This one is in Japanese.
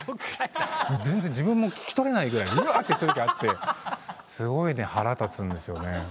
全然自分も聴き取れないぐらいうわってしてる時あってすごいね腹立つんですよね。